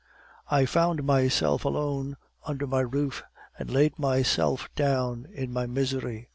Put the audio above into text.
"I found myself alone under my roof, and laid myself down in my misery.